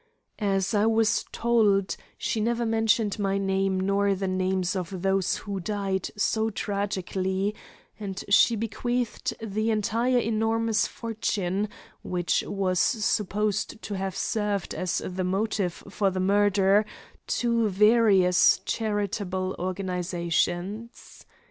As I was told, she never mentioned my name nor the names of those who died so tragically, and she bequeathed the entire enormous fortune, which was supposed to have served as the motive for the murder, to various charitable organisations.